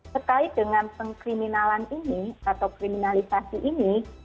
terkait dengan pengkriminalan ini atau kriminalisasi ini